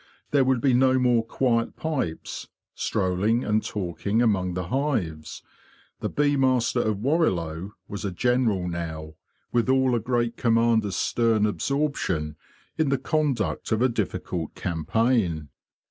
There would be no more quiet pipes, strolling and talking among the hives: the Bee Master of Warrilow was a general now, with all a great commander's stern absorption in the conduct of a difficult campaign.